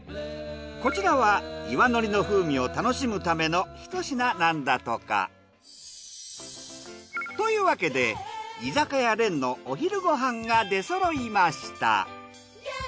こちらは岩のりの風味を楽しむためのひと品なんだとか。というわけで居酒屋連のお昼ご飯が出揃いました。